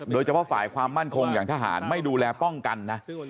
โดยเฉพาะฝ่ายความมั่นคงอย่างทหารไม่ดูแลป้องกันนะ